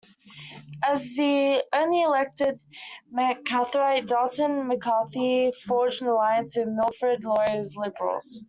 As the only elected McCarthyite, Dalton McCarthy forged an alliance with Wilfrid Laurier's Liberals.